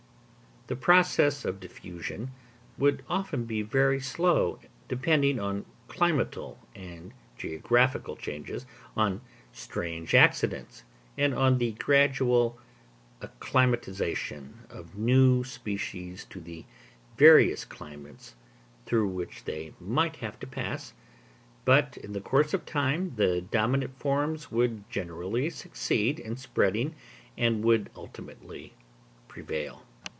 The process of diffusion would often be very slow, depending on climatal and geographical changes, on strange accidents, and on the gradual acclimatization of new species to the various climates through which they might have to pass, but in the course of time the dominant forms would generally succeed in spreading and would ultimately prevail.